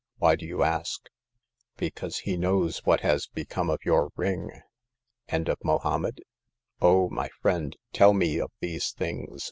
Why do you ask ?*'Because he knows what has become of your ring." And of Mohommed ? Oh, my friend, tell me of these things